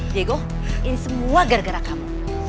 diego ini semua gara gara kamu